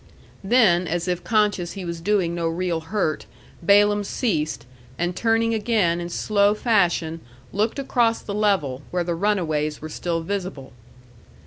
Then, as if conscious he was doing no real hurt, Balaam ceased, and turning again in slow fashion looked across the level, where the runaways were still visible.